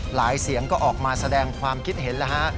เสียงก็ออกมาแสดงความคิดเห็นแล้วฮะ